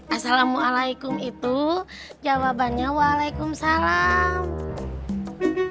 assalamualaikum itu jawabannya waalaikumsalam